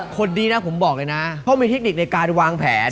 คนดีนะผมบอกเลยนะเพราะมีเทคนิคในการวางแผน